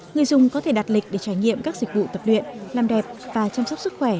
người dùng có thể đặt lịch để trải nghiệm các dịch vụ tập luyện làm đẹp và chăm sóc sức khỏe